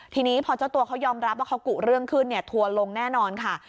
ทีนี้พอเจ้าตัวเขายอมรับว่าเขากุเรื่องขึ้นทัวร์ลงแน่นอนค่ะ